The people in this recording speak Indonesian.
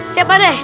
siap pak de